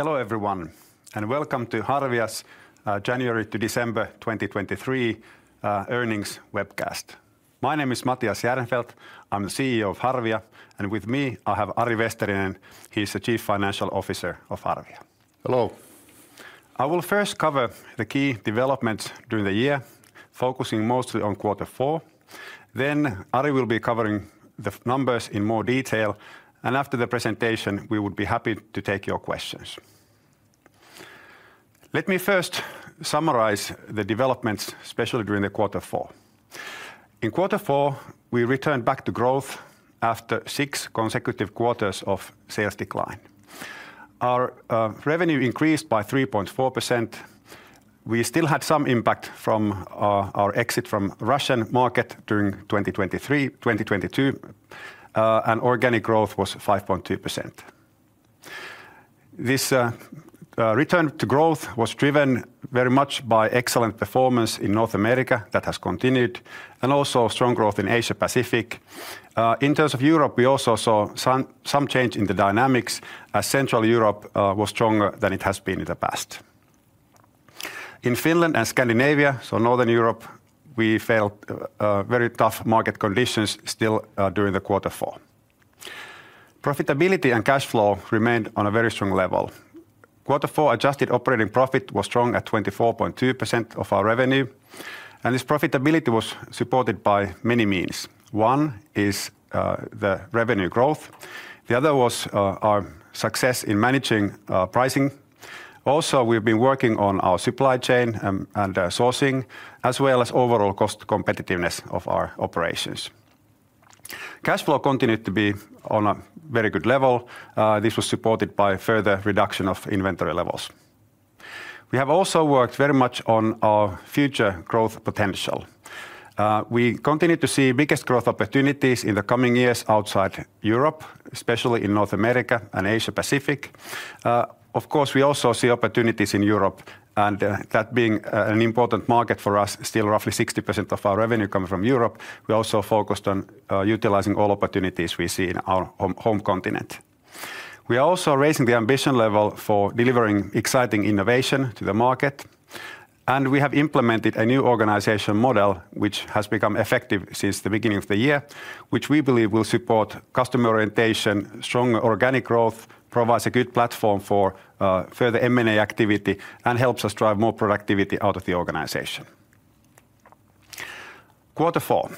Hello, everyone, and welcome to Harvia's January to December 2023 earnings webcast. My name is Matias Järnefelt. I'm the CEO of Harvia, and with me, I have Ari Vesterinen. He's the Chief Financial Officer of Harvia. Hello. I will first cover the key developments during the year, focusing mostly on Q4. Then Ari will be covering the numbers in more detail, and after the presentation, we would be happy to take your questions. Let me first summarize the developments, especially during Q4. In Q4, we returned back to growth after six consecutive quarters of sales decline. Our revenue increased by 3.4%. We still had some impact from our exit from Russian market during 2023, 2022, and organic growth was 5.2%. This return to growth was driven very much by excellent performance in North America that has continued, and also strong growth in Asia Pacific. In terms of Europe, we also saw some change in the dynamics as Central Europe was stronger than it has been in the past. In Finland and Scandinavia, so Northern Europe, we felt very tough market conditions still during Q4. Profitability and cash flow remained on a very strong level. Q4 adjusted operating profit was strong at 24.2% of our revenue, and this profitability was supported by many means. One is the revenue growth. The other was our success in managing pricing. Also, we've been working on our supply chain and sourcing, as well as overall cost competitiveness of our operations. Cash flow continued to be on a very good level. This was supported by further reduction of inventory levels. We have also worked very much on our future growth potential. We continue to see biggest growth opportunities in the coming years outside Europe, especially in North America and Asia Pacific. Of course, we also see opportunities in Europe, and that being an important market for us, still roughly 60% of our revenue comes from Europe. We also focused on utilizing all opportunities we see in our home continent. We are also raising the ambition level for delivering exciting innovation to the market, and we have implemented a new organization model, which has become effective since the beginning of the year, which we believe will support customer orientation, stronger organic growth, provides a good platform for further M&A activity, and helps us drive more productivity out of the organization. Q4.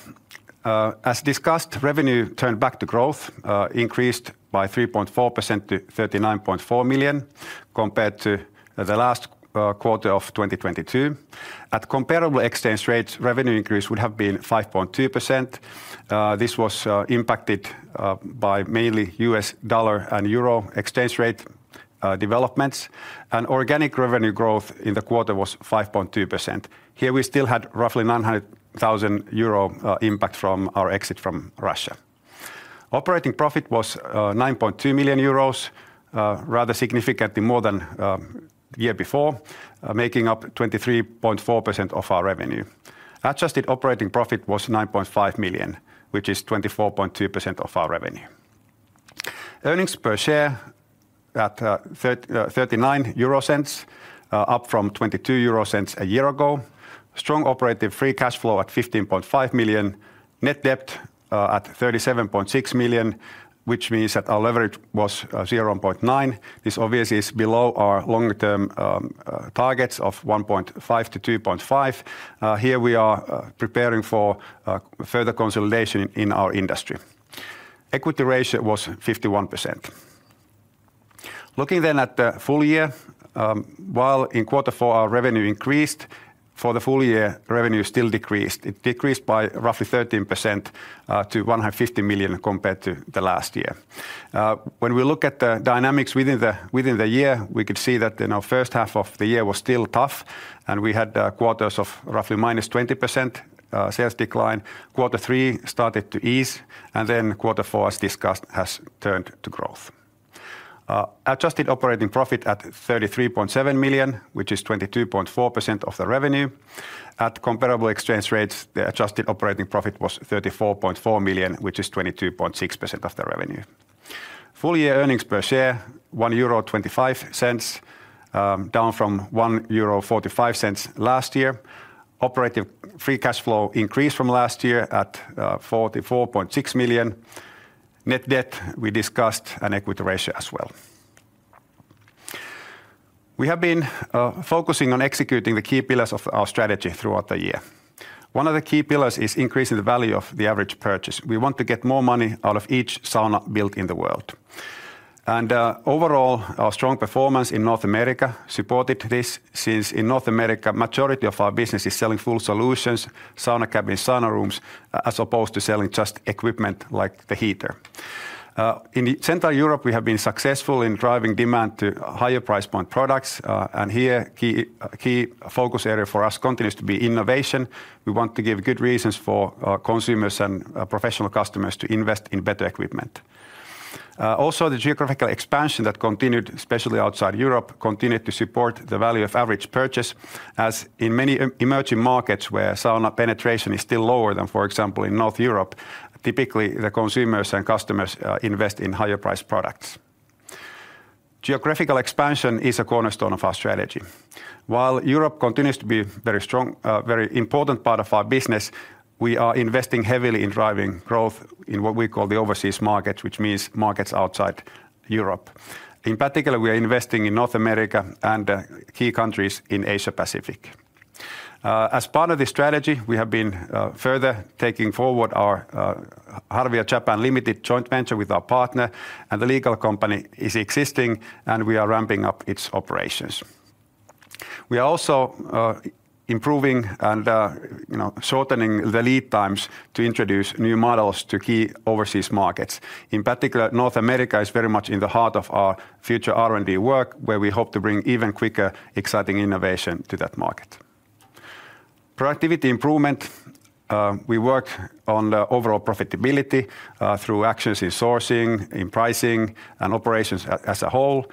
As discussed, revenue turned back to growth, increased by 3.4% to 39.4 million compared to the last quarter of 2022. At comparable exchange rates, revenue increase would have been 5.2%. This was impacted by mainly U.S. dollar and euro exchange rate developments, and organic revenue growth in the quarter was 5.2%. Here, we still had roughly 900,000 euro impact from our exit from Russia. Operating profit was 9.2 million euros, rather significantly more than year before, making up 23.4% of our revenue. Adjusted operating profit was 9.5 million, which is 24.2% of our revenue. Earnings per share at 0.39, up from 0.22 a year ago. Strong operating free cash flow at 15.5 million, net debt at 37.6 million, which means that our leverage was 0.9. This obviously is below our long-term targets of 1.5-2.5. Here we are preparing for further consolidation in our industry. Equity ratio was 51%. Looking then at the full year, while in Q4, our revenue increased, for the full year, revenue still decreased. It decreased by roughly 13% to 150 million compared to the last year. When we look at the dynamics within the year, we could see that in our first half of the year was still tough, and we had quarters of roughly -20% sales decline. Q3 started to ease, and then Q4, as discussed, has turned to growth. Adjusted operating profit at 33.7 million, which is 22.4% of the revenue. At comparable exchange rates, the adjusted operating profit was 34.4 million, which is 22.6% of the revenue. Full year earnings per share, 1.25 euro, down from 1.45 euro last year. Operating free cash flow increased from last year at 44.6 million. Net debt, we discussed an equity ratio as well. We have been focusing on executing the key pillars of our strategy throughout the year. One of the key pillars is increasing the value of the average purchase. We want to get more money out of each sauna built in the world. Overall, our strong performance in North America supported this, since in North America, majority of our business is selling full solutions, sauna cabins, sauna rooms, as opposed to selling just equipment like the heater. In Central Europe, we have been successful in driving demand to higher price point products, and here, key focus area for us continues to be innovation. We want to give good reasons for consumers and professional customers to invest in better equipment. Also, the geographical expansion that continued, especially outside Europe, continued to support the value of average purchase, as in many emerging markets where sauna penetration is still lower than, for example, in North Europe, typically, the consumers and customers invest in higher priced products. Geographical expansion is a cornerstone of our strategy. While Europe continues to be very strong, very important part of our business, we are investing heavily in driving growth in what we call the overseas markets, which means markets outside Europe. In particular, we are investing in North America and key countries in Asia Pacific. As part of this strategy, we have been further taking forward our Harvia Japan Limited joint venture with our partner, and the legal company is existing, and we are ramping up its operations. We are also improving and, you know, shortening the lead times to introduce new models to key overseas markets. In particular, North America is very much in the heart of our future R&D work, where we hope to bring even quicker, exciting innovation to that market. Productivity improvement, we work on the overall profitability through actions in sourcing, in pricing, and operations as a whole.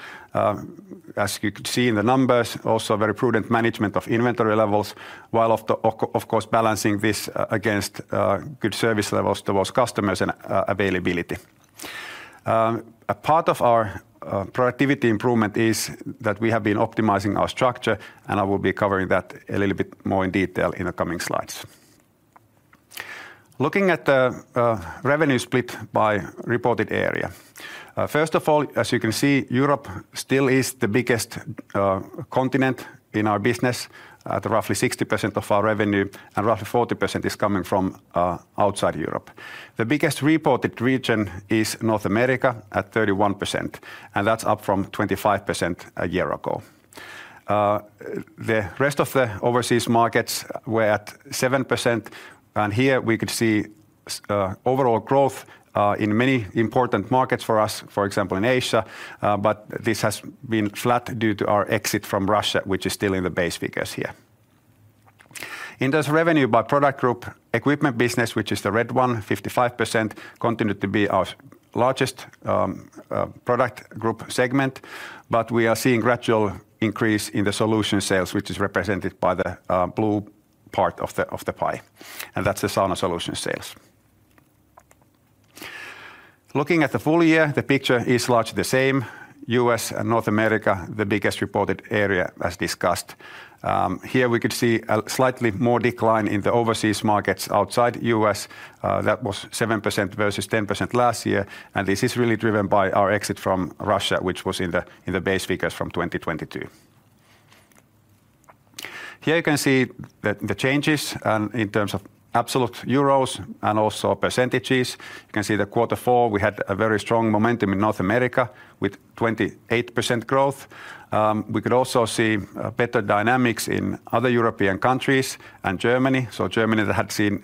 As you can see in the numbers, also very prudent management of inventory levels, while of course, balancing this against good service levels towards customers and availability. A part of our productivity improvement is that we have been optimizing our structure, and I will be covering that a little bit more in detail in the coming slides. Looking at the revenue split by reported area, first of all, as you can see, Europe still is the biggest continent in our business at roughly 60% of our revenue, and roughly 40% is coming from outside Europe. The biggest reported region is North America at 31%, and that's up from 25% a year ago. The rest of the overseas markets were at 7%, and here we could see overall growth in many important markets for us, for example, in Asia, but this has been flat due to our exit from Russia, which is still in the base figures here. In this revenue by product group, equipment business, which is the red one, 55%, continued to be our largest product group segment, but we are seeing gradual increase in the solution sales, which is represented by the blue part of the pie, and that's the sauna solution sales. Looking at the full year, the picture is largely the same. U.S. and North America, the biggest reported area, as discussed. Here we could see a slightly more decline in the overseas markets outside U.S. That was 7% versus 10% last year, and this is really driven by our exit from Russia, which was in the base figures from 2022. Here you can see the changes, and in terms of absolute EUR and also percentages. You can see that Q4, we had a very strong momentum in North America with 28% growth. We could also see better dynamics in other European countries and Germany. So Germany had seen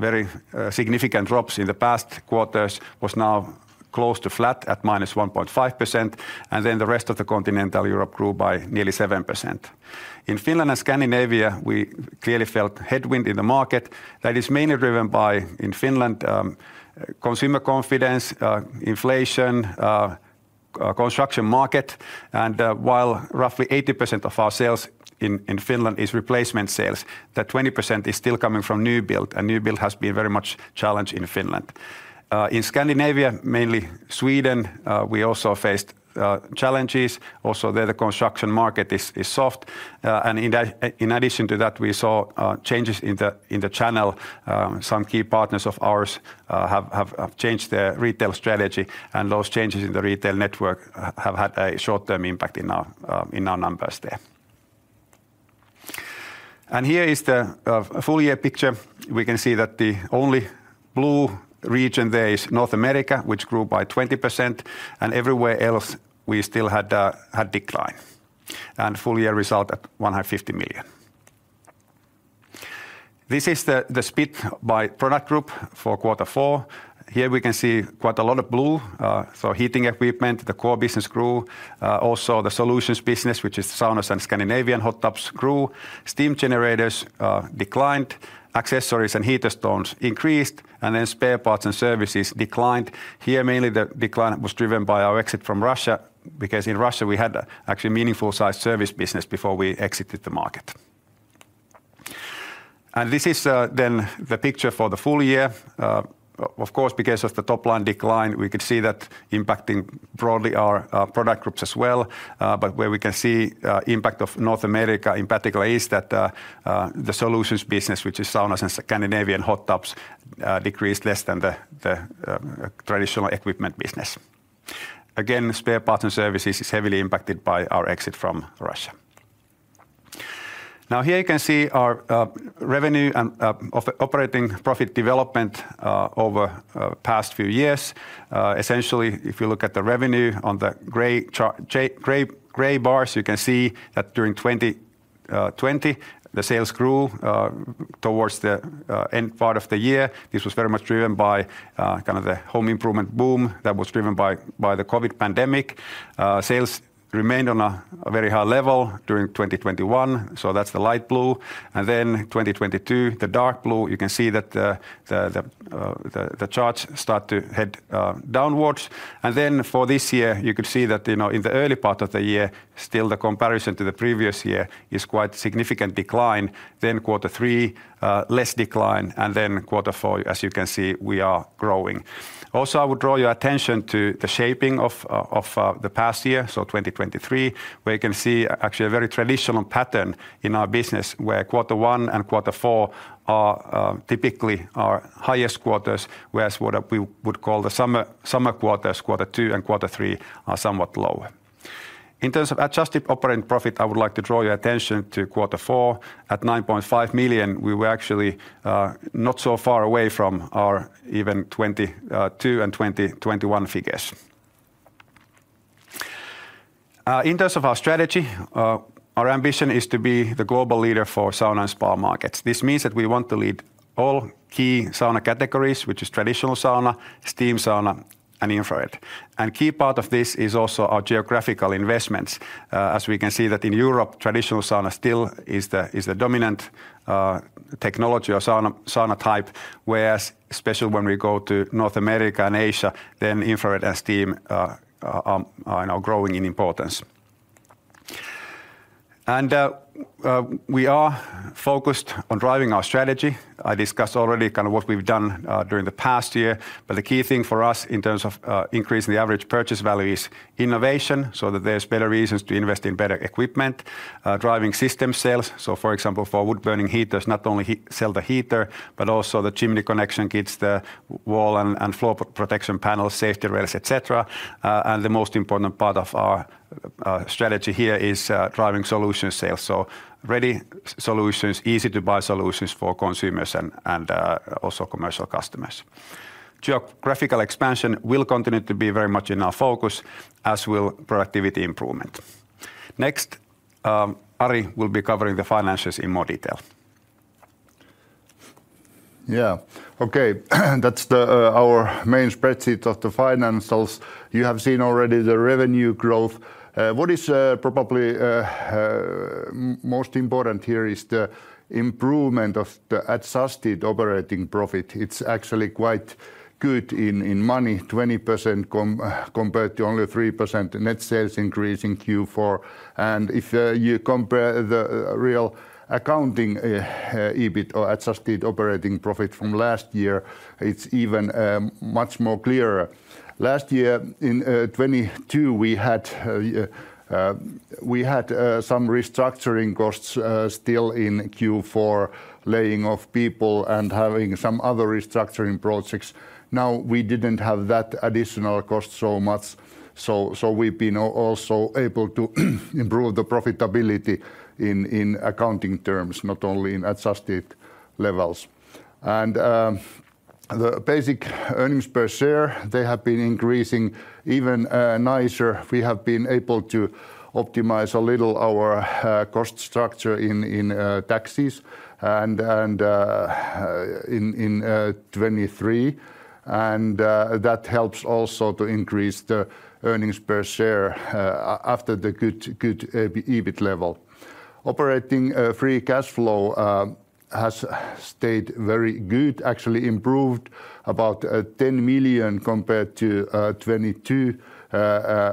very significant drops in the past quarters, was now close to flat at -1.5%, and then the rest of the continental Europe grew by nearly 7%. In Finland and Scandinavia, we clearly felt headwind in the market. That is mainly driven by, in Finland, consumer confidence, inflation, construction market, and, while roughly 80% of our sales in Finland is replacement sales, that 20% is still coming from new build, and new build has been very much challenged in Finland. In Scandinavia, mainly Sweden, we also faced challenges. Also, there, the construction market is soft, and in addition to that, we saw changes in the channel. Some key partners of ours have changed their retail strategy, and those changes in the retail network have had a short-term impact in our numbers there. And here is the full year picture. We can see that the only blue region there is North America, which grew by 20%, and everywhere else, we still had a decline, and full year result at 150 million. This is the split by product group for Q4. Here we can see quite a lot of blue, so heating equipment, the core business grew. Also, the solutions business, which is saunas and Scandinavian hot tubs, grew. Steam generators declined, accessories and heater stones increased, and then spare parts and services declined. Here, mainly the decline was driven by our exit from Russia, because in Russia, we had actually meaningful size service business before we exited the market. And this is then the picture for the full year. Of course, because of the top-line decline, we could see that impacting broadly our product groups as well, but where we can see impact of North America, in particular, is that the solutions business, which is saunas and Scandinavian hot tubs, decreased less than the traditional equipment business. Again, spare parts and services is heavily impacted by our exit from Russia. Now, here you can see our revenue and operating profit development over past few years. Essentially, if you look at the revenue on the gray bars, you can see that during 2020, the sales grew towards the end part of the year. This was very much driven by kind of the home improvement boom that was driven by the COVID pandemic. Sales remained on a very high level during 2021, so that's the light blue. And then 2022, the dark blue, you can see that the charts start to head downwards. And then for this year, you can see that, you know, in the early part of the year, still the comparison to the previous year is quite significant decline. Then Q3, less decline, and then Q4, as you can see, we are growing. Also, I would draw your attention to the shaping of the past year, so 2023, where you can see actually a very traditional pattern in our business, where Q1 and Q4 are typically our highest quarters, whereas what we would call the summer quarters, Q2 and Q3, are somewhat lower.... In terms of adjusted operating profit, I would like to draw your attention to Q4. At 9.5 million, we were actually not so far away from our even 2022 and 2021 figures. In terms of our strategy, our ambition is to be the global leader for sauna and spa markets. This means that we want to lead all key sauna categories, which is traditional sauna, steam sauna, and infrared. And key part of this is also our geographical investments. As we can see that in Europe, traditional sauna still is the dominant technology or sauna type, whereas especially when we go to North America and Asia, then infrared and steam are now growing in importance. And we are focused on driving our strategy. I discussed already kind of what we've done during the past year, but the key thing for us in terms of increasing the average purchase value is innovation, so that there's better reasons to invest in better equipment, driving system sales. So for example, for wood burning heaters, not only sell the heater, but also the chimney connection kits, the wall and floor protection panels, safety rails, et cetera. And the most important part of our strategy here is driving solution sales. So ready solutions, easy-to-buy solutions for consumers and also commercial customers. Geographical expansion will continue to be very much in our focus, as will productivity improvement. Next, Ari will be covering the financials in more detail. Yeah. Okay. That's our main spreadsheet of the financials. You have seen already the revenue growth. What is probably most important here is the improvement of the adjusted operating profit. It's actually quite good in money, 20% compared to only 3% net sales increase in Q4. And if you compare the real accounting EBIT or adjusted operating profit from last year, it's even much more clearer. Last year, in 2022, we had some restructuring costs still in Q4, laying off people and having some other restructuring projects. Now, we didn't have that additional cost so much, so we've been also able to improve the profitability in accounting terms, not only in adjusted levels. The basic earnings per share, they have been increasing even nicer. We have been able to optimize a little our cost structure in taxes and in 2023. That helps also to increase the earnings per share after the good EBIT level. Operating free cash flow has stayed very good, actually improved about 10 million compared to 2022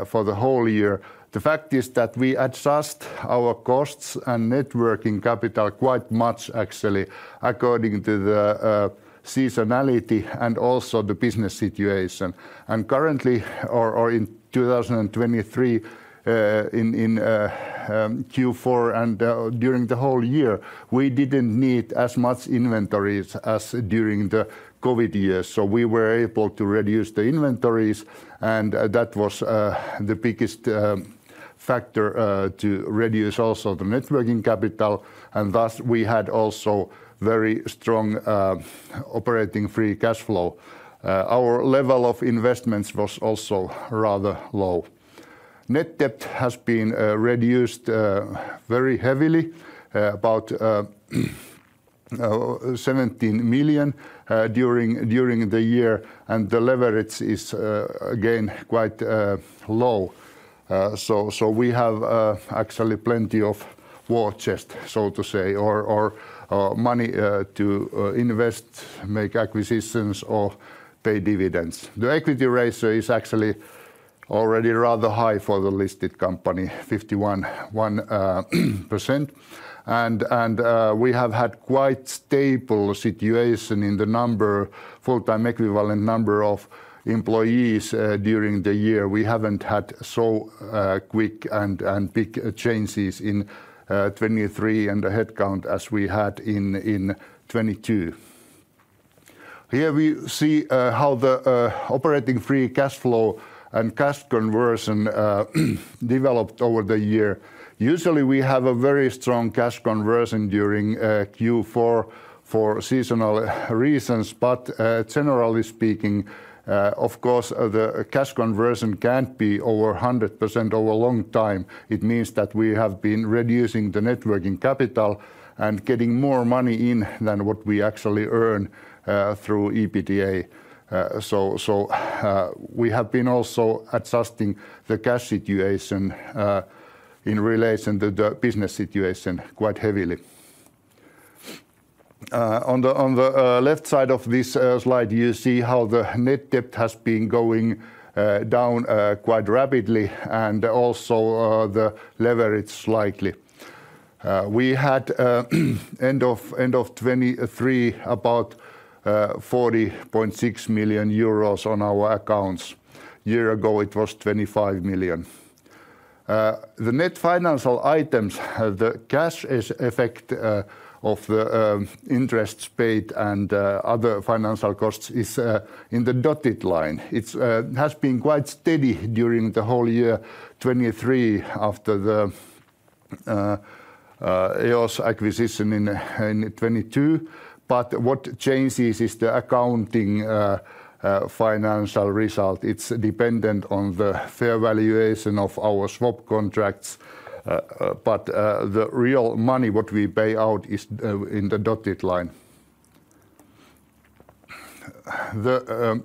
for the whole year. The fact is that we adjust our costs and net working capital quite much actually, according to the seasonality and also the business situation. Currently, in 2023, in Q4 and during the whole year, we didn't need as much inventories as during the COVID years, so we were able to reduce the inventories, and that was the biggest factor to reduce also the net working capital, and thus, we had also very strong operating free cash flow. Our level of investments was also rather low. Net debt has been reduced very heavily, about 17 million, during the year, and the leverage is again quite low. So, we have actually plenty of war chest, so to say, or money to invest, make acquisitions, or pay dividends. The equity ratio is actually already rather high for the listed company, 51.1%. We have had quite stable situation in the number, full-time equivalent number of employees, during the year. We haven't had so quick and big changes in 2023 and the headcount as we had in 2022. Here we see how the operating free cash flow and cash conversion developed over the year. Usually, we have a very strong cash conversion during Q4 for seasonal reasons, but generally speaking, of course, the cash conversion can't be over 100% over a long time. It means that we have been reducing the net working capital and getting more money in than what we actually earn through EBITDA. So, we have been also adjusting the cash situation in relation to the business situation quite heavily. On the left side of this slide, you see how the net debt has been going down quite rapidly and also the leverage slightly. We had end of 2023, about 40.6 million euros on our accounts. Year ago, it was 25 million. The net financial items, the cash effect of the interests paid and other financial costs is in the dotted line. It has been quite steady during the whole year 2023, after the EOS acquisition in 2022. But what changes is the accounting financial result. It's dependent on the fair valuation of our swap contracts, but the real money, what we pay out, is in the dotted line. The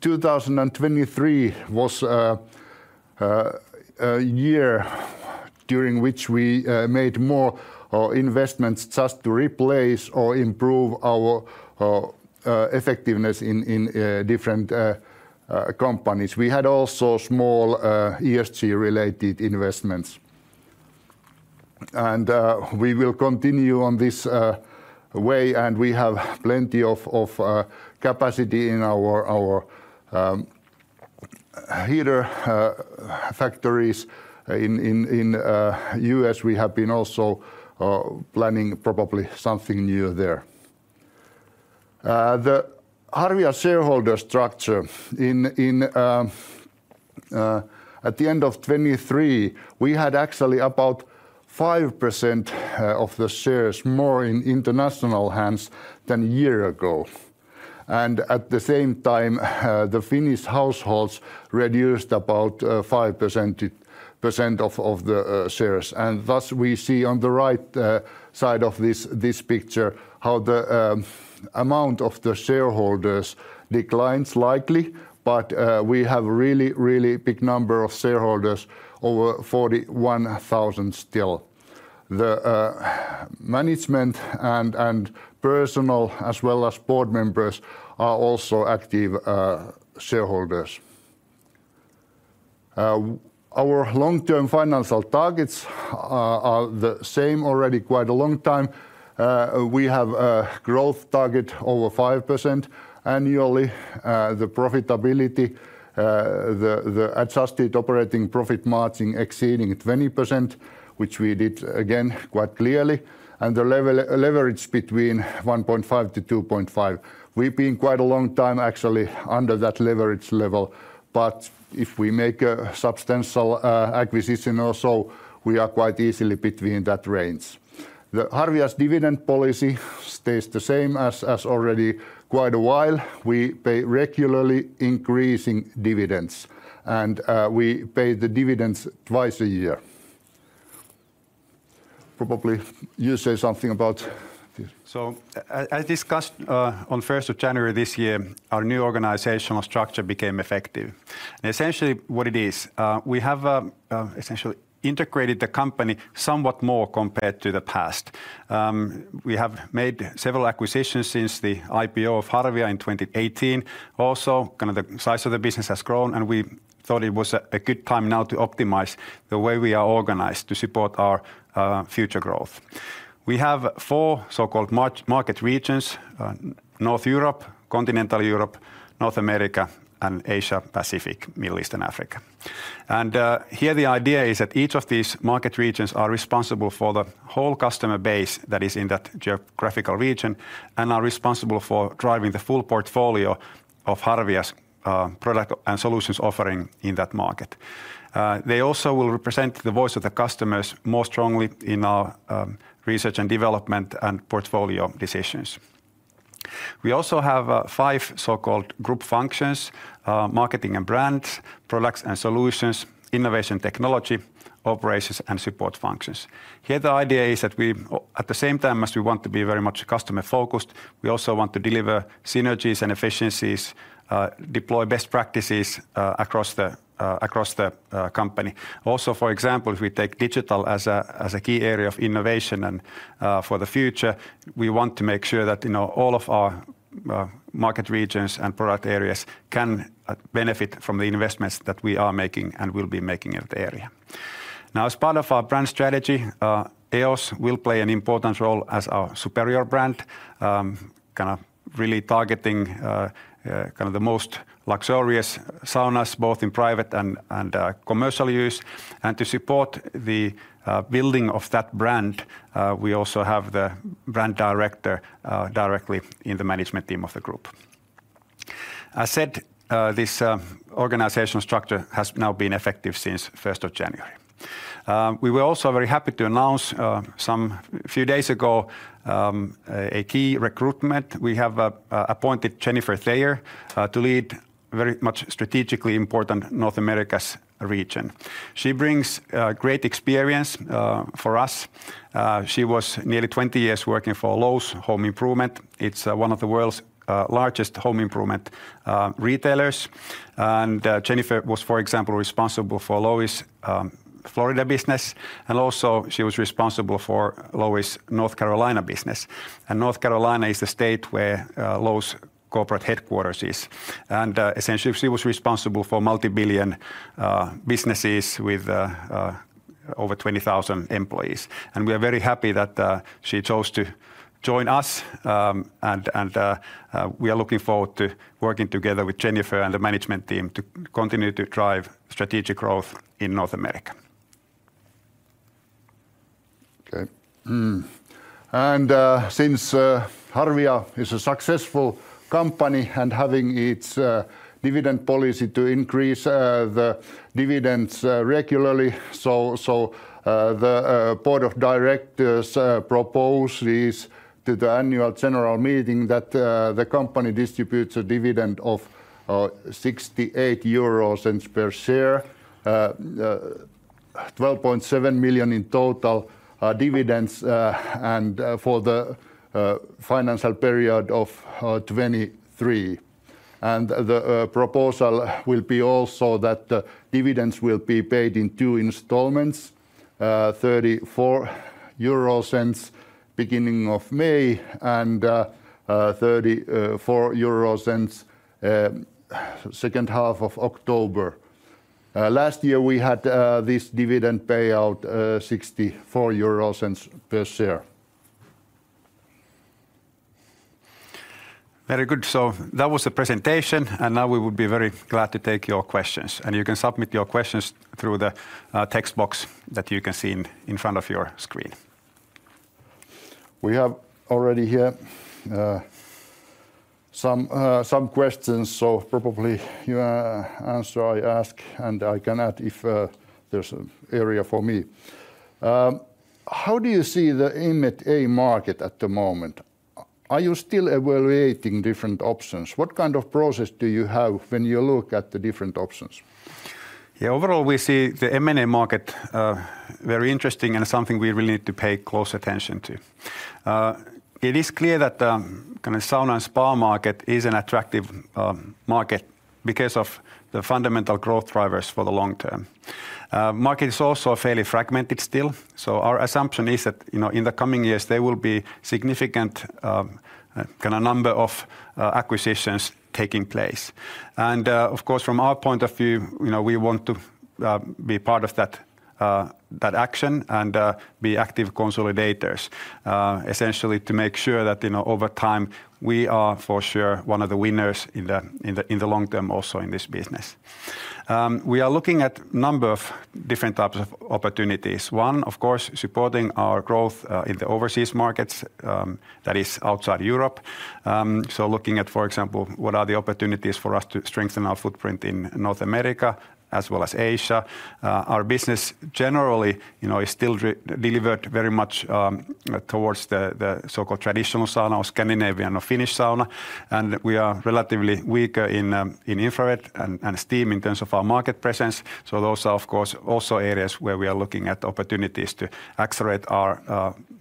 2023 was a year during which we made more investments just to replace or improve our effectiveness in different companies. We had also small ESG-related investments. And we will continue on this way, and we have plenty of capacity in our heater factories. In U.S., we have been also planning probably something new there. The Harvia shareholder structure... At the end of 2023, we had actually about 5% of the shares more in international hands than a year ago. And at the same time, the Finnish households reduced about 5% of the shares. Thus, we see on the right side of this picture, how the amount of the shareholders declines likely, but we have a really, really big number of shareholders, over 41,000 still. The management and personnel as well as board members are also active shareholders. Our long-term financial targets are the same already quite a long time. We have a growth target over 5% annually. The profitability, the adjusted operating profit margin exceeding 20%, which we did again, quite clearly, and the leverage between 1.5-2.5. We've been quite a long time, actually, under that leverage level, but if we make a substantial acquisition or so, we are quite easily between that range. Harvia's dividend policy stays the same as already quite a while. We pay regularly increasing dividends, and we pay the dividends twice a year. Probably you say something about this. So as discussed, on 1st of January this year, our new organizational structure became effective. And essentially what it is, we have essentially integrated the company somewhat more compared to the past. We have made several acquisitions since the IPO of Harvia in 2018. Also, kind of the size of the business has grown, and we thought it was a good time now to optimize the way we are organized to support our future growth. We have four so-called market regions: North Europe, Continental Europe, North America, and Asia Pacific, Middle East and Africa. And here, the idea is that each of these market regions are responsible for the whole customer base that is in that geographical region and are responsible for driving the full portfolio of Harvia's product and solutions offering in that market. They also will represent the voice of the customers more strongly in our research and development and portfolio decisions. We also have five so-called group functions: marketing and brand, products and solutions, innovation, technology, operations, and support functions. Here, the idea is that we, at the same time, as we want to be very much customer-focused, we also want to deliver synergies and efficiencies, deploy best practices across the company. Also, for example, if we take digital as a key area of innovation and for the future, we want to make sure that, you know, all of our market regions and product areas can benefit from the investments that we are making and will be making in the area. Now, as part of our brand strategy, EOS will play an important role as our superior brand, kind of really targeting kind of the most luxurious saunas, both in private and commercial use. And to support the building of that brand, we also have the brand director directly in the management team of the group. I said this organizational structure has now been effective since 1st of January. We were also very happy to announce some few days ago a key recruitment. We have appointed Jennifer Thayer to lead very much strategically important North America region. She brings great experience for us. She was nearly 20 years working for Lowe's Home Improvement. It's one of the world's largest home improvement retailers. Jennifer was, for example, responsible for Lowe's Florida business, and also she was responsible for Lowe's North Carolina business. North Carolina is the state where Lowe's corporate headquarters is. Essentially, she was responsible for multi-billion businesses with over 20,000 employees. We are very happy that she chose to join us, and we are looking forward to working together with Jennifer and the management team to continue to drive strategic growth in North America. ... Okay. Since Harvia is a successful company and having its dividend policy to increase the dividends regularly, so the board of directors propose this to the annual general meeting that the company distributes a dividend of 0.68 euro cents per share. 12.7 million in total dividends and for the financial period of 2023. The proposal will be also that the dividends will be paid in two installments, 0.34 euro cents beginning of May, and 0.34 euro cents second half of October. Last year we had this dividend payout, 0.64 euros cents per share. Very good. So that was the presentation, and now we would be very glad to take your questions. And you can submit your questions through the text box that you can see in front of your screen. We have already here some questions, so probably you answer. I ask, and I can add if there's an area for me. How do you see the M&A market at the moment? Are you still evaluating different options? What kind of process do you have when you look at the different options? Yeah, overall, we see the M&A market very interesting and something we really need to pay close attention to. It is clear that, kind of sauna and spa market is an attractive market because of the fundamental growth drivers for the long term. Market is also fairly fragmented still, so our assumption is that, you know, in the coming years, there will be significant, kind of number of acquisitions taking place. And, of course, from our point of view, you know, we want to be part of that action and be active consolidators, essentially to make sure that, you know, over time, we are for sure one of the winners in the long term also in this business. We are looking at number of different types of opportunities. One, of course, supporting our growth in the overseas markets, that is outside Europe. So looking at, for example, what are the opportunities for us to strengthen our footprint in North America as well as Asia. Our business generally, you know, is still delivered very much towards the so-called traditional sauna or Scandinavian or Finnish sauna, and we are relatively weaker in infrared and steam in terms of our market presence. So those are, of course, also areas where we are looking at opportunities to accelerate our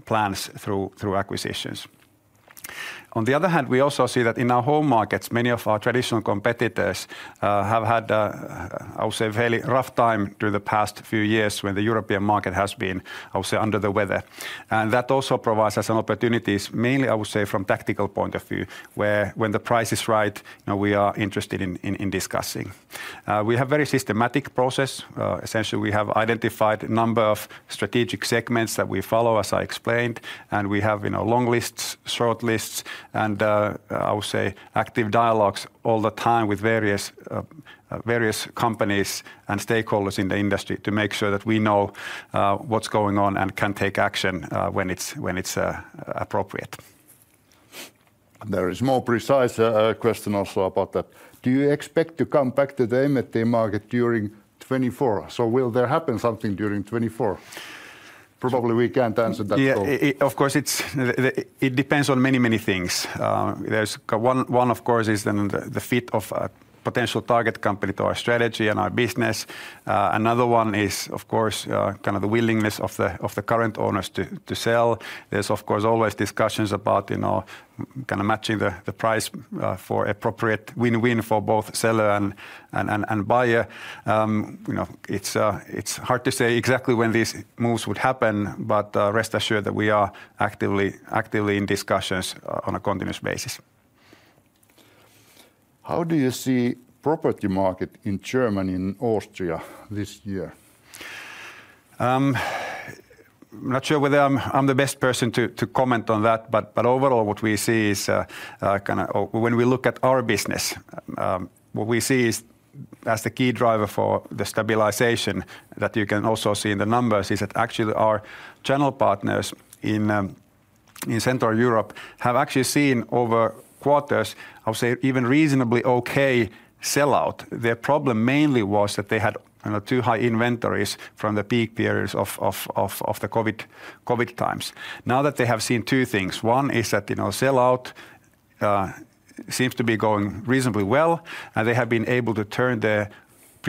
plans through acquisitions. On the other hand, we also see that in our home markets, many of our traditional competitors have had, I would say, a fairly rough time through the past few years when the European market has been, I would say, under the weather. That also provides us an opportunities mainly, I would say, from tactical point of view, where when the price is right, you know, we are interested in discussing. We have very systematic process. Essentially, we have identified a number of strategic segments that we follow, as I explained, and we have, you know, long lists, short lists, and, I would say, active dialogues all the time with various companies and stakeholders in the industry to make sure that we know what's going on and can take action when it's appropriate. There is more precise question also about that. Do you expect to come back to the M&A market during 2024? So will there happen something during 2024? Probably we can't answer that, so- Yeah, of course, it depends on many, many things. There's one, of course, is the fit of a potential target company to our strategy and our business. Another one is, of course, kind of the willingness of the current owners to sell. There's, of course, always discussions about, you know, kind of matching the price for appropriate win-win for both seller and buyer. You know, it's hard to say exactly when these moves would happen, but rest assured that we are actively in discussions on a continuous basis. How do you see property market in Germany and Austria this year? I'm not sure whether I'm the best person to comment on that, but overall, what we see is, when we look at our business, what we see is, as the key driver for the stabilization, that you can also see in the numbers, is that actually our channel partners in Central Europe have actually seen over quarters, I would say, even reasonably okay sellout. Their problem mainly was that they had, you know, too high inventories from the peak periods of the COVID times. Now that they have seen two things, one is that, you know, sellout seems to be going reasonably well, and they have been able to turn their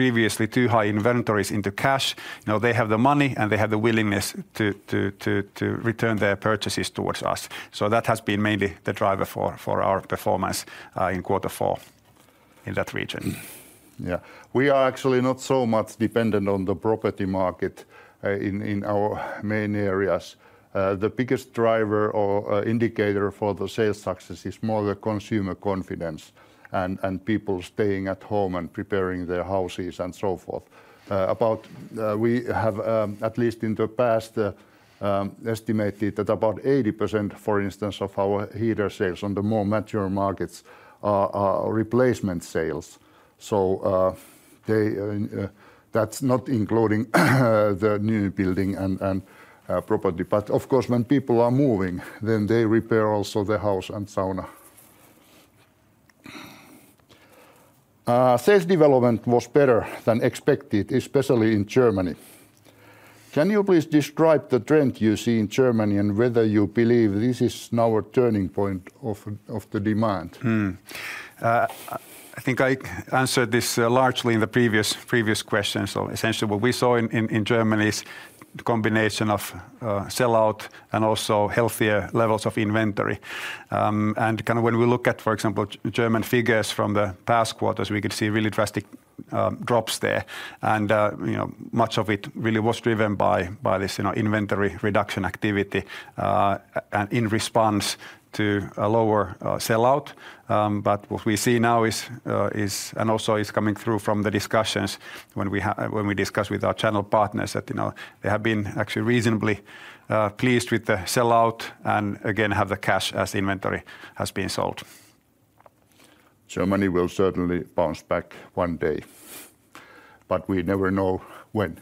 previously too-high inventories into cash. Now they have the money, and they have the willingness to return their purchases towards us. So that has been mainly the driver for our performance in Q4 in that region. Yeah. We are actually not so much dependent on the property market in our main areas. The biggest driver or indicator for the sales success is more the consumer confidence and people staying at home and preparing their houses and so forth. We have at least in the past estimated that about 80%, for instance, of our heater sales on the more mature markets are replacement sales.... So, that's not including the new building and property. But of course, when people are moving, then they repair also the house and sauna. Sales development was better than expected, especially in Germany. Can you please describe the trend you see in Germany, and whether you believe this is now a turning point of the demand? I think I answered this largely in the previous, previous question. So essentially what we saw in Germany is the combination of sell-out and also healthier levels of inventory. And kind of when we look at, for example, German figures from the past quarters, we could see really drastic drops there. You know, much of it really was driven by this, you know, inventory reduction activity and in response to a lower sell-out. But what we see now is, and also is coming through from the discussions when we discuss with our channel partners that, you know, they have been actually reasonably pleased with the sell-out, and again, have the cash as inventory has been sold. Germany will certainly bounce back one day, but we never know when.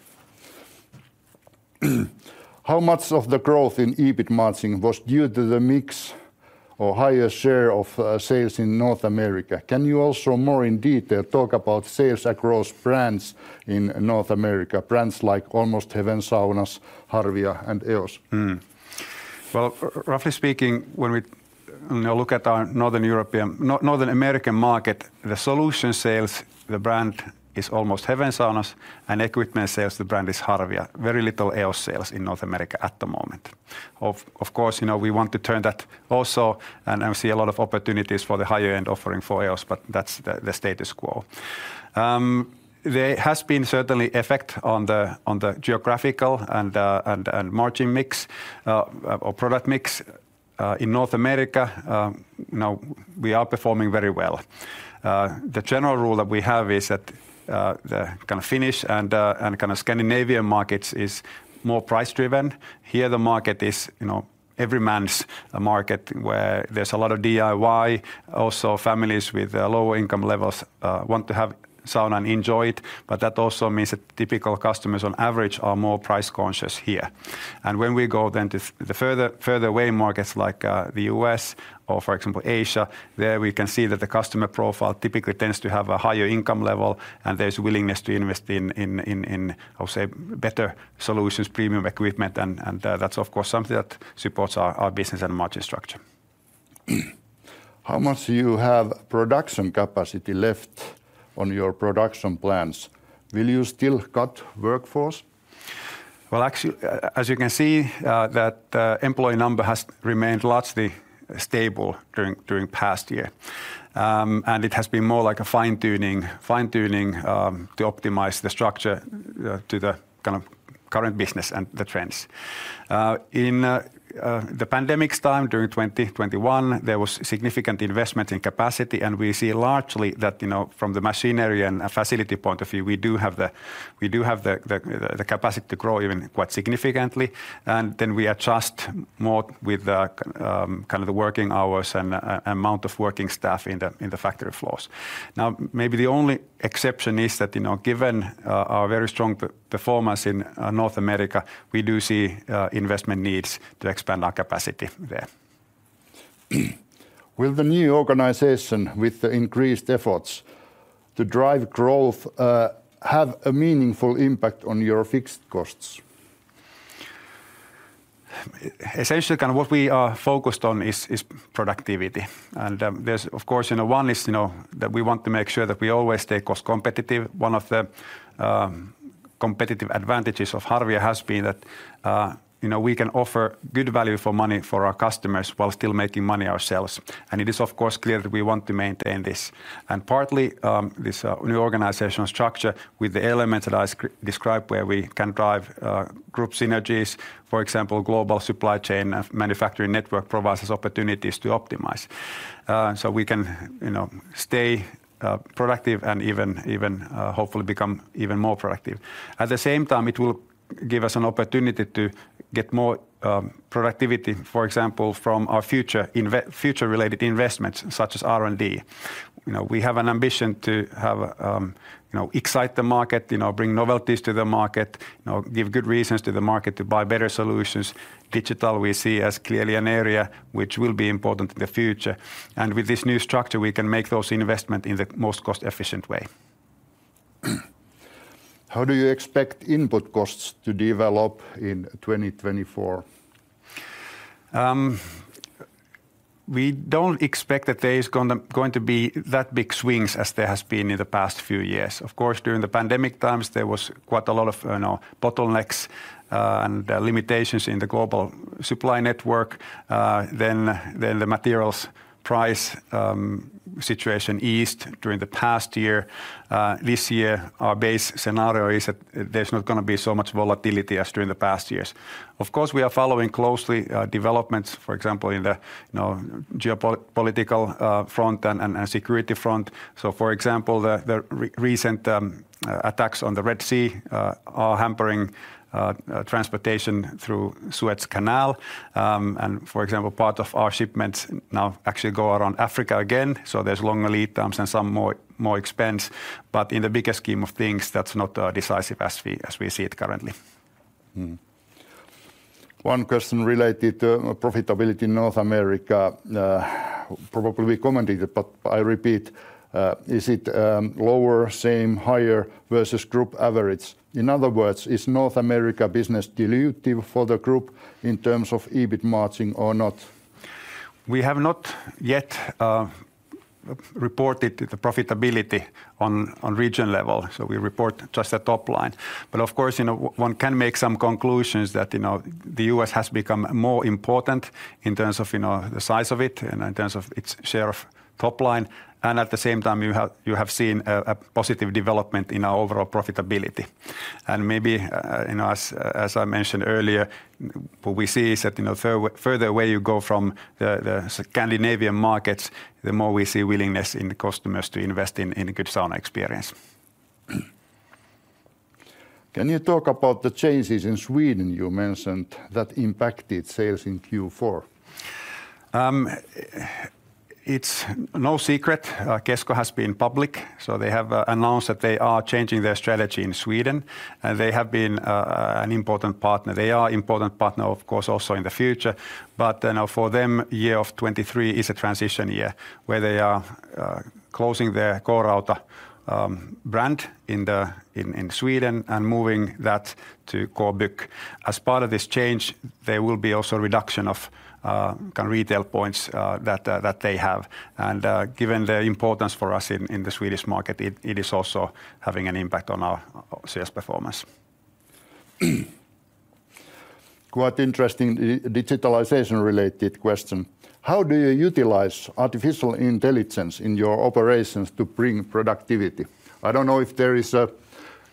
How much of the growth in EBIT margin was due to the mix or higher share of sales in North America? Can you also more in detail talk about sales across brands in North America, brands like Almost Heaven Saunas, Harvia, and EOS? Well, roughly speaking, when we, you know, look at our Northern European... North American market, the solution sales, the brand is Almost Heaven Saunas, and equipment sales, the brand is Harvia. Very little EOS sales in North America at the moment. Of course, you know, we want to turn that also, and I see a lot of opportunities for the higher-end offering for EOS, but that's the status quo. There has been certainly effect on the geographical and margin mix, or product mix, in North America. Now we are performing very well. The general rule that we have is that the kind of Finnish and kind of Scandinavian markets is more price-driven. Here, the market is, you know, every man's market, where there's a lot of DIY. Also, families with lower income levels want to have sauna and enjoy it, but that also means that typical customers on average are more price-conscious here. When we go then to the further, further away markets like the US or, for example, Asia, there we can see that the customer profile typically tends to have a higher income level, and there's willingness to invest in how say, better solutions, premium equipment, and that's, of course, something that supports our business and margin structure. How much do you have production capacity left on your production plans? Will you still cut workforce? Well, actually, as you can see, that employee number has remained largely stable during past year. And it has been more like a fine-tuning to optimize the structure to the kind of current business and the trends. In the pandemic's time, during 2021, there was significant investment in capacity, and we see largely that, you know, from the machinery and a facility point of view, we do have the capacity to grow even quite significantly. And then we adjust more with the kind of the working hours and amount of working staff in the factory floors. Now, maybe the only exception is that, you know, given our very strong performance in North America, we do see investment needs to expand our capacity there. Will the new organization, with the increased efforts to drive growth, have a meaningful impact on your fixed costs? Essentially, kind of what we are focused on is productivity. Of course, you know, one is, you know, that we want to make sure that we always stay cost-competitive. One of the competitive advantages of Harvia has been that, you know, we can offer good value for money for our customers while still making money ourselves, and it is, of course, clear that we want to maintain this. And partly, this new organizational structure with the elements that I described, where we can drive group synergies, for example, global supply chain and manufacturing network provides us opportunities to optimize. So we can, you know, stay productive and even hopefully become even more productive. At the same time, it will give us an opportunity to get more productivity, for example, from our future-related investments, such as R&D. You know, we have an ambition to have, you know, excite the market, you know, bring novelties to the market, you know, give good reasons to the market to buy better solutions. Digital, we see as clearly an area which will be important in the future, and with this new structure, we can make those investment in the most cost-efficient way. How do you expect input costs to develop in 2024? We don't expect that there is going to be that big swings as there has been in the past few years. Of course, during the pandemic times, there was quite a lot of, you know, bottlenecks and limitations in the global supply network. Then, the materials price situation eased during the past year. This year, our base scenario is that there's not going to be so much volatility as during the past years. Of course, we are following closely developments, for example, in the, you know, political front and security front. So for example, the recent attacks on the Red Sea are hampering transportation through Suez Canal. And for example, part of our shipments now actually go around Africa again, so there's longer lead times and some more expense, but in the bigger scheme of things, that's not decisive as we see it currently.... Mm-hmm. One question related to profitability in North America, probably we commented, but I repeat, is it lower, same, higher versus group average? In other words, is North America business dilutive for the group in terms of EBIT margin or not? We have not yet reported the profitability on region level, so we report just the top line. But of course, you know, one can make some conclusions that, you know, the U.S. has become more important in terms of, you know, the size of it and in terms of its share of top line. And at the same time, you have seen a positive development in our overall profitability. And maybe, you know, as I mentioned earlier, what we see is that, you know, further away you go from the Scandinavian markets, the more we see willingness in the customers to invest in a good sauna experience. Can you talk about the changes in Sweden you mentioned that impacted sales in Q4? It's no secret, Kesko has been public, so they have announced that they are changing their strategy in Sweden, and they have been an important partner. They are important partner, of course, also in the future. But, you know, for them, year of 2023 is a transition year, where they are closing their K-Rauta brand in Sweden and moving that to K-Bygg. As part of this change, there will be also reduction of kind of retail points that they have. Given their importance for us in the Swedish market, it is also having an impact on our sales performance. Quite interesting digitalization-related question: How do you utilize artificial intelligence in your operations to bring productivity? I don't know if there is a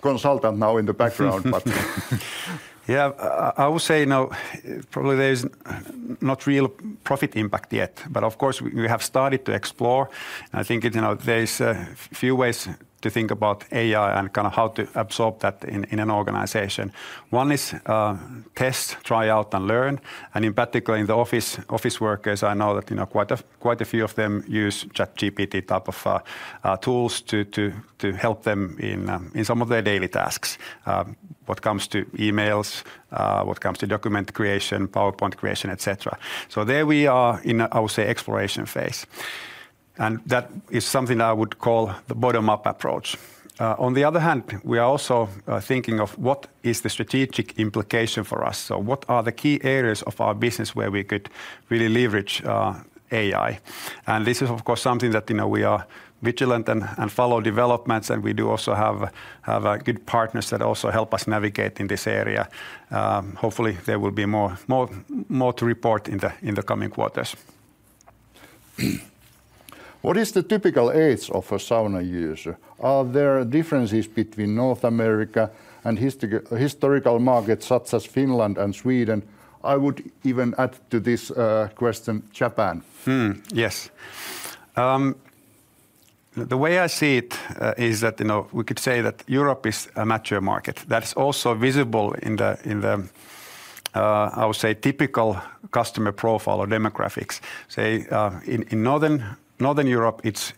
consultant now in the background, but Yeah. I would say now, probably there is not real profit impact yet, but of course, we have started to explore. I think, you know, there's a few ways to think about AI and kind of how to absorb that in an organization. One is test, try out, and learn, and in particular, in the office workers, I know that, you know, quite a few of them use ChatGPT type of tools to help them in some of their daily tasks, when it comes to emails, when it comes to document creation, PowerPoint creation, et cetera. So there we are in a, I would say, exploration phase, and that is something I would call the bottom-up approach. On the other hand, we are also thinking of what is the strategic implication for us? So what are the key areas of our business where we could really leverage AI? And this is, of course, something that, you know, we are vigilant and follow developments, and we do also have good partners that also help us navigate in this area. Hopefully, there will be more to report in the coming quarters. What is the typical age of a sauna user? Are there differences between North America and historical markets such as Finland and Sweden? I would even add to this question, Japan. Yes. The way I see it is that, you know, we could say that Europe is a mature market that's also visible in the, in the I would say, typical customer profile or demographics. Say, in Northern Europe, it's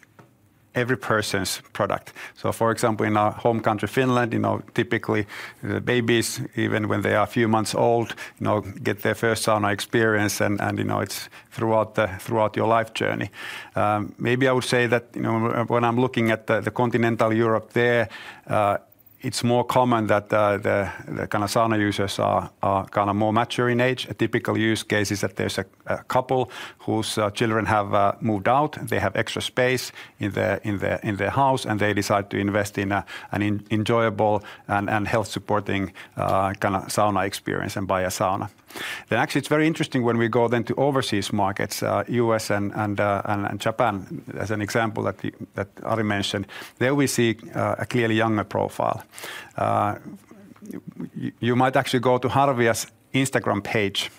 every person's product. So for example, in our home country, Finland, you know, typically, the babies, even when they are a few months old, you know, get their first sauna experience, and you know, it's throughout the... throughout your life journey. Maybe I would say that, you know, when I'm looking at the continental Europe there, it's more common that the kind of sauna users are kind of more mature in age. A typical use case is that there's a couple whose children have moved out, and they have extra space in their house, and they decide to invest in an enjoyable and health-supporting kind of sauna experience and buy a sauna. Then actually, it's very interesting when we go to overseas markets, U.S. and Japan, as an example that Ari mentioned. There we see a clearly younger profile. You might actually go to Harvia's Instagram page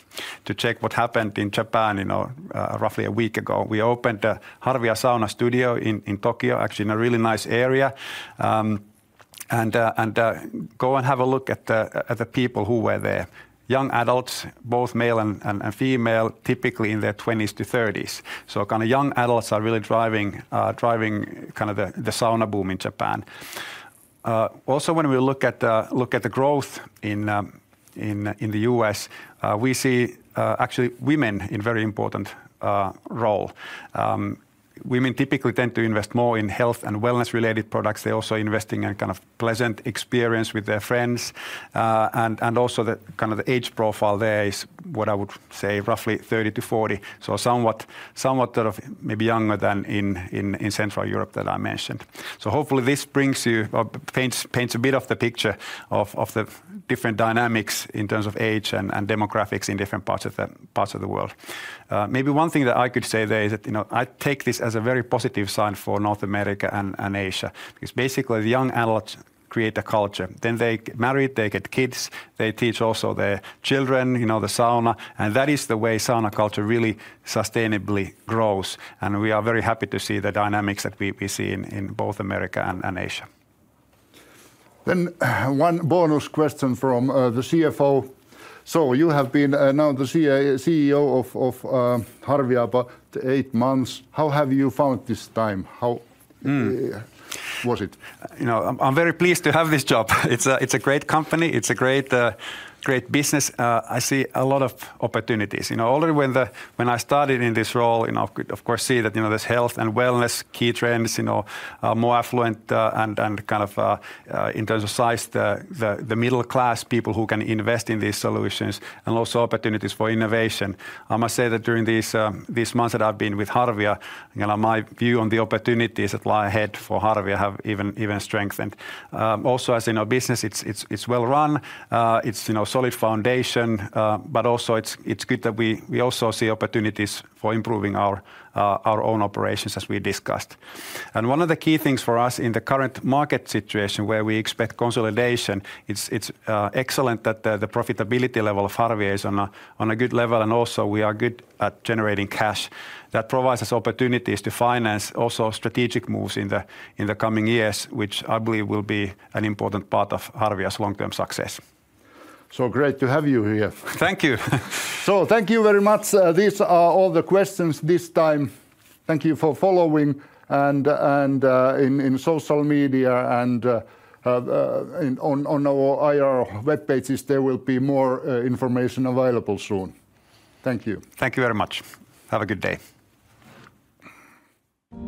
to check what happened in Japan, you know, roughly a week ago. We opened a Harvia sauna studio in Tokyo, actually in a really nice area. Go and have a look at the people who were there. Young adults, both male and female, typically in their twenties to thirties. So kind of young adults are really driving kind of the sauna boom in Japan. Also when we look at the growth in the US, we see actually women in very important role. Women typically tend to invest more in health and wellness-related products. They're also investing in kind of pleasant experience with their friends and also the kind of the age profile there is, what I would say, roughly 30-40, so somewhat sort of maybe younger than in Central Europe that I mentioned. So hopefully, this brings you or paints a bit of the picture of the different dynamics in terms of age and demographics in different parts of the world. Maybe one thing that I could say there is that, you know, I take this as a very positive sign for North America and Asia. Because basically, the young adults create a culture. Then they get married, they get kids, they teach also their children, you know, the sauna, and that is the way sauna culture really sustainably grows, and we are very happy to see the dynamics that we see in both America and Asia. Then one bonus question from the CFO. So you have been now the CEO of Harvia about eight months. How have you found this time? How- Mm. - was it? You know, I'm very pleased to have this job. It's a great company. It's a great business. I see a lot of opportunities. You know, already when I started in this role, you know, I could, of course, see that, you know, there's health and wellness, key trends, you know, more affluent, and kind of, in terms of size, the middle-class people who can invest in these solutions, and also opportunities for innovation. I must say that during these months that I've been with Harvia, you know, my view on the opportunities that lie ahead for Harvia have even strengthened. Also, as in our business, it's well-run, you know, solid foundation, but also it's good that we also see opportunities for improving our own operations, as we discussed. And one of the key things for us in the current market situation, where we expect consolidation, it's excellent that the profitability level of Harvia is on a good level, and also we are good at generating cash. That provides us opportunities to finance also strategic moves in the coming years, which I believe will be an important part of Harvia's long-term success. Great to have you here. Thank you. Thank you very much. These are all the questions this time. Thank you for following, and in social media and on our IR web pages, there will be more information available soon. Thank you. Thank you very much. Have a good day!